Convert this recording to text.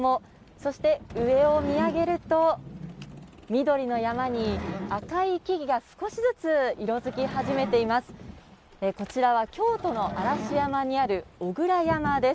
そして、上を見上げると緑の山に赤い木々が少しずつ色づき始めています。